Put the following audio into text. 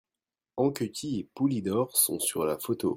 Anquetil et Poulidor sont sur la photo.